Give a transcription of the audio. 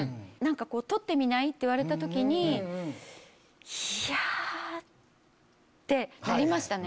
撮ってみない？って言われた時にいや！ってなりましたね。